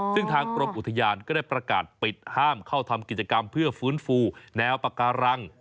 ซึ่งทางกรมอุทยานก็ได้ประกาศปิดห้ามเข้าทำกิจกรรมเพื่อฟื้นฟูแนวปากการัง